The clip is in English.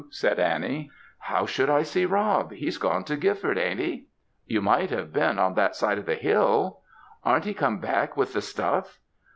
said Annie. "How should I see Rob! He's gone to Gifford ar'n't he?" "You might have been on that side of the hill?" "Ar'n't he come back with the stuff?"